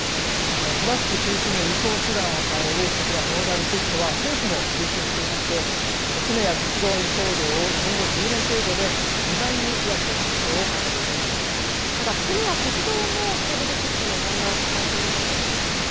トラック中心の輸送手段を変える、こちら、モーダルシフトは政府も推進していまして、船や鉄道の輸送量を今後１０年程度で２倍に増やす目標を掲げていただ、船や鉄道も人手不足の問題を抱えているのは一緒ですよね。